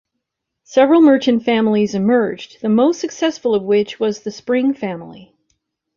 Several merchant families emerged, the most successful of which was the Spring family.